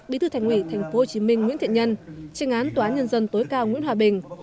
bí thư thành ủy tp hcm nguyễn thiện nhân tranh án tòa án nhân dân tối cao nguyễn hòa bình